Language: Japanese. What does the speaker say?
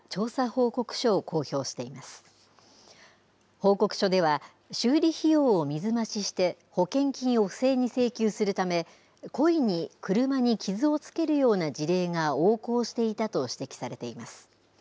報告書では、修理費用を水増しして保険金を不正に請求するため、故意に車に傷をつけるような事例が横行していたと指摘されています。